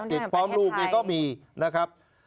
เด็กพร้อมลูกเนี่ยก็มีนะครับ